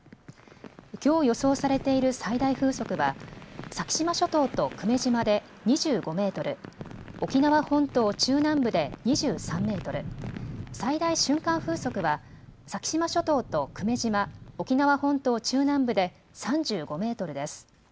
きょう予想されている最大風速は先島諸島と久米島で２５メートル、沖縄本島中南部で２３メートル、最大瞬間風速は先島諸島と久米島、沖縄本島中南部で３５メートルです。